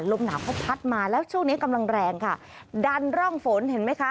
ลมหนาวเขาพัดมาแล้วช่วงนี้กำลังแรงค่ะดันร่องฝนเห็นไหมคะ